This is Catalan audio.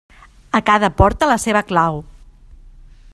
A cada porta, la seva clau.